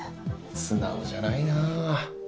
素直じゃないな。